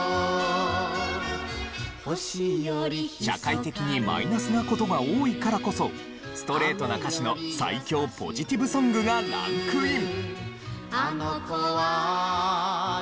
社会的にマイナスな事が多いからこそストレートな歌詞の最強ポジティブソングがランクイン。